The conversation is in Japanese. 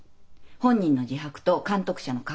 本人の自白と監督者の確保